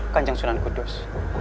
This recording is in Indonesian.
kanjeng sunan kudus